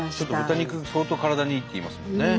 豚肉相当体にいいっていいますもんね。